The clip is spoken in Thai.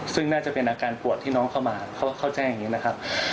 ซึ่งน่าจะเป็นอาการปวดที่น้องเข้ามาเขาแจ้งอย่างนี้นะครับ